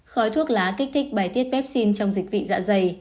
khói thuốc lá kích thích bài tiết vaccine trong dịch vị dạ dày